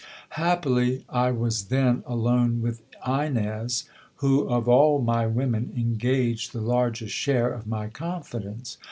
Happily, I was then alone with Ines, who of all my women engaged the largest share of my confidence.